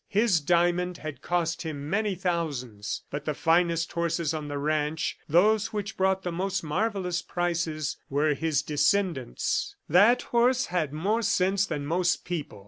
His Diamond had cost him many thousands, but the finest horses on the ranch, those which brought the most marvellous prices, were his descendants. "That horse had more sense than most people.